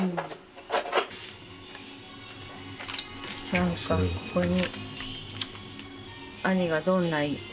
何かここに。